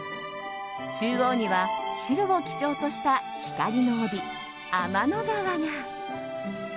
中央には白を基調とした光の帯、天の川が。